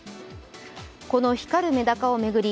この光るメダカを巡り